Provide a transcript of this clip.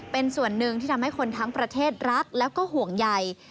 เป็นส่วนหนึ่งที่ทำให้คนทั้งประเทศรักแล้วก็ห่วงใย